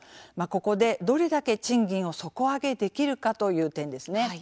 ここで、どれだけ賃金を底上げできるかという点ですね。